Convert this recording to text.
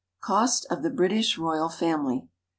=Cost of the British Royal Family.